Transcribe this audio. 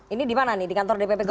ini dimana nih di kantor dpp golkar